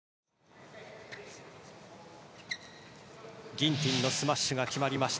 ギンティンのスマッシュが決まりました。